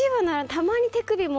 たまに手首も。